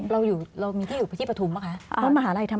เรามีที่อยู่ที่ปฐุมหรือคะ